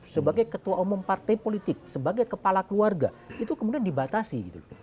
sebagai ketua umum partai politik sebagai kepala keluarga itu kemudian dibatasi